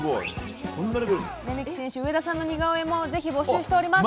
レメキ選手、上田さんの似顔絵もぜひ募集しております！